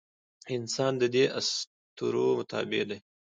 انسان د دې اسطورو تابع دی.